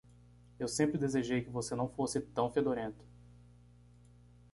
Eu sempre desejei que você não fosse tão fedorento.